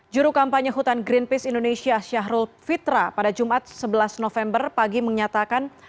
juru kampanye hutan greenpeace indonesia syahrul fitra pada jumat sebelas november pagi menyatakan